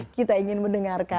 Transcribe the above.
kita ingin mendengarkan